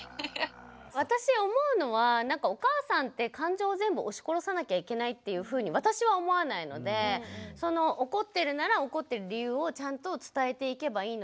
私思うのはお母さんって感情を全部押し殺さなきゃいけないっていうふうに私は思わないので怒ってるなら怒ってる理由をちゃんと伝えていけばいいのかな。